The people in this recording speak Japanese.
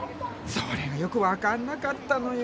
それがよく分かんなかったのよ。